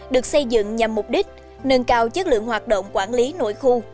được xây dựng nhằm mục đích nâng cao chất lượng hoạt động quản lý nội khu